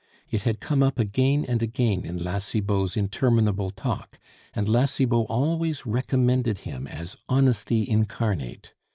It had come up again and again in La Cibot's interminable talk, and La Cibot always recommended him as honesty incarnate.